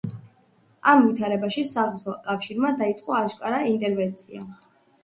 ამ ვითარებაში საღვთო კავშირმა დაიწყო აშკარა ინტერვენცია.